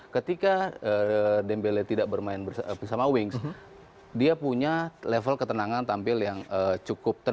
ketika dembele tidak bermain bersama wings dia punya level ketenangan tampil yang cukup